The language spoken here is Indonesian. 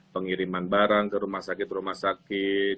pengiriman barang ke rumah sakit rumah sakit